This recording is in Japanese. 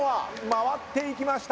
回っていきました！